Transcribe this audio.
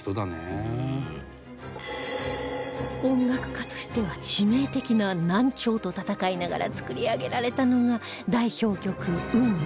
音楽家としては致命的な難聴と闘いながら作り上げられたのが代表曲『運命』